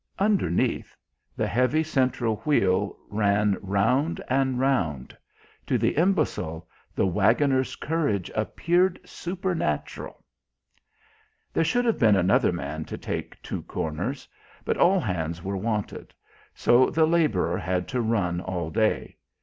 Underneath, the heavy central wheel ran round and round! To the imbecile the waggoner's courage appeared supernatural. There should have been another man to take two corners, but all hands were wanted; so the labourer had to run all day.